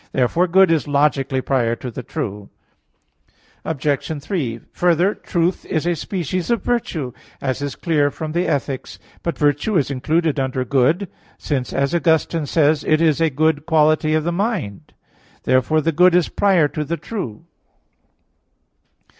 Therefore good is logically prior to the true. Obj. 3: Further, truth is a species of virtue, as is clear from Ethic. iv. But virtue is included under good; since, as Augustine says (De Lib. Arbit. ii, 19), it is a good quality of the mind. Therefore the good is prior to the true.